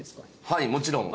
はいもちろん。